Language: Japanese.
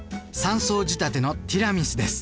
３層仕立てのティラミスです。